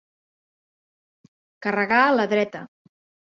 Carregar a la dreta.